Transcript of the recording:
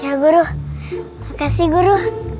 ya guru makasih guru